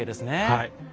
はい。